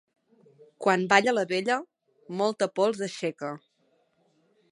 Quan balla la vella, molta pols aixeca.